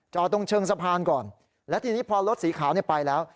จอดตรงเชิงสะพานก่อนแล้วทีนี้พอรถสีขาวไปแล้ว